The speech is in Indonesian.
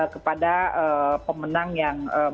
kepada pemenang yang membanggakan